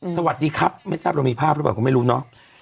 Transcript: สวัสดีครับไม่ทราบเรามีภาพหรือเปล่าก็ไม่รู้เนาะ